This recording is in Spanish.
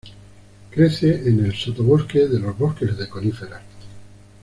Crece en el sotobosque de los bosques de coníferas.